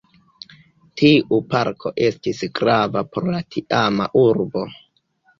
Tiu parko estis grava por la tiama urbo.